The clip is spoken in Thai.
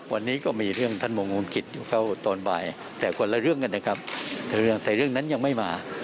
วันนี้ก็มีเรื่องท่านบ่งงวงรุงกิจอยู่เข้าตอนบ่ายแต่ร้องมาแต่ครับแต่เรื่องนั้นยังไม่มา